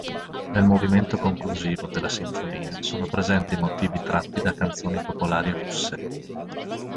Nel movimento conclusivo della sinfonia sono presenti motivi tratti da canzoni popolari russe.